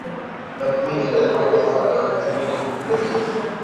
na tathmini ya mwaka elfu mbili na kumi